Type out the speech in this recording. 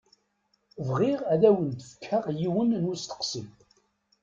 Bɣiɣ ad awen-d-fkeɣ yiwen n usteqsi.